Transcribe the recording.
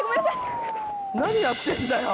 何やってんだよ！